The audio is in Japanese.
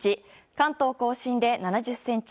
関東・甲信で７０ｃｍ